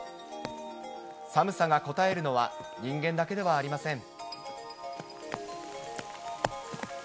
寒さがこたえるのは、人間だけではありません。